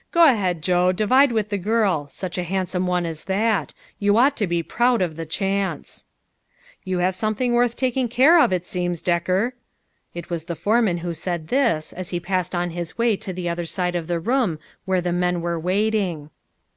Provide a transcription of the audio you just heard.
" Go ahead, Joe, divide with the girl. Such a handsome one as that. You ought to be proud of the chance." " You have something worth taking care of, it seems, Decker." It was the foreman who said this, as he passed on his way to the other side of the room where the men were waiting.